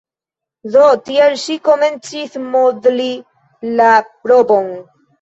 Do, tiel ŝi komencis modli la robon.